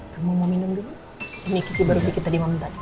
kamu mau minum dulu ini kiki baru bikin tadi mau minta dikit